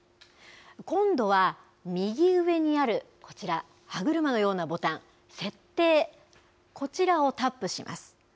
今度は右上にあるこちら、歯車のようなボタン、設定、こちらをタップします。